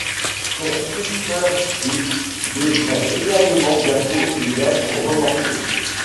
Son sistership devrait également bientôt y être remorqué.